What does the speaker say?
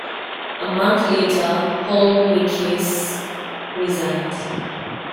A month later, Paul Mckess resigned.